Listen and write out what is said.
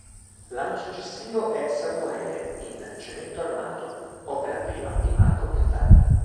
L'anno successivo è "Samuele" in "Cemento armato", opera prima di Marco Martani.